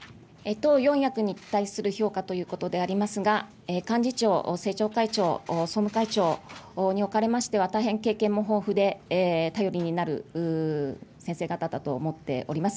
党四役に対する評価ということでありますが、幹事長、政調会長、総務会長におかれましては、大変経験も豊富で、頼りになる先生方だと思っております。